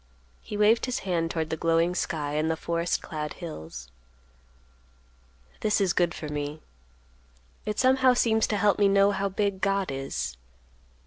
He waved his hand toward the glowing sky and the forest clad hills. "This is good for me; it somehow seems to help me know how big God is.